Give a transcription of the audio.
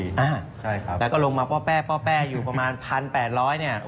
ใช่ครับแล้วก็ลงมาป้อแป้ป้อแป้อยู่ประมาณ๑๘๐๐บาท